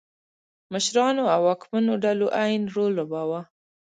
مشرانو او واکمنو ډلو عین رول لوباوه.